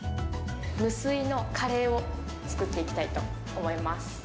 無水のカレーを作っていきたいと思います。